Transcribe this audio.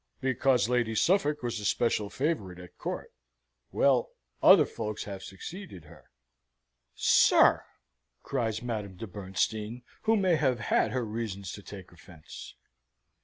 "Because Lady Suffolk was a special favourite at Court? Well, other folks have succeeded her." "Sir!" cries Madame de Bernstein, who may have had her reasons to take offence.